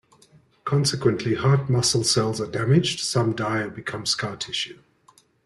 Consequently, heart muscle cells are damaged; some die or become scar tissue.